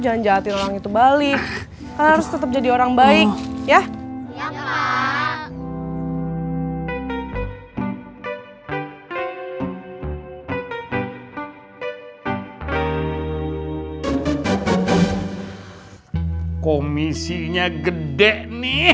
menjahatin orang itu balik harus tetap jadi orang baik ya ya pak komisinya gede nih